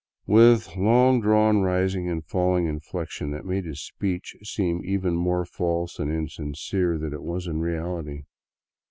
" r with a long drawn, rising and falling inflection that made his speech seem even more false and insincere than it was in reality.